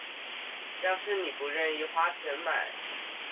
要是妳不願意花錢買